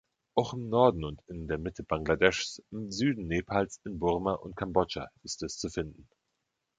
Auch im Norden und in der Mitte Bangladeschs, im Süden Nepals, in Burma und Kambodscha ist es zu finden.